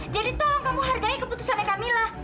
jadi tolong kamu hargai keputusannya kamila